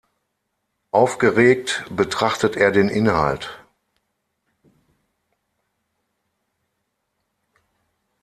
Aufgeregt betrachtet er den Inhalt.